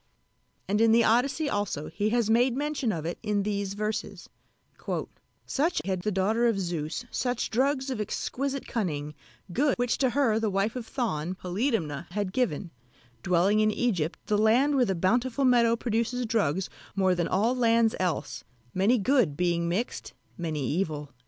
And in the Odyssey also he has made mention of it in these verses: "Such had the daughter of Zeus, such drugs of exquisite cunning, Good, which to her the wife of Thon, Polydamna, had given, Dwelling in Egypt, the land where the bountiful meadow produces Drugs more than all lands else, many good being mixed, many evil."